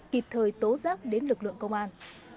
kịp thời tố giác đến lực lượng công an